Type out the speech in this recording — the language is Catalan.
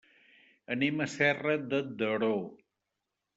Anem a Serra de Daró.